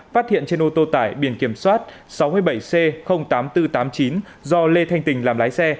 phát hiện trên ô tô tải biển kiểm soát sáu mươi bảy c tám nghìn bốn trăm tám mươi chín do lê thanh tình làm lái xe